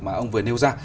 mà ông vừa nêu ra